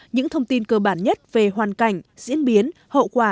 những thông tin cơ bản nhất về hoàn cảnh diễn biến hậu quả